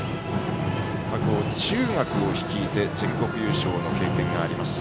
過去、中学を率いて全国優勝の経験があります。